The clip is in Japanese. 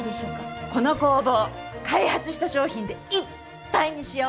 この工房開発した商品でいっぱいにしよう。